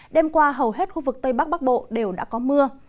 đêm qua hầu hết khu vực tây bắc bắc bộ đều đã có mưa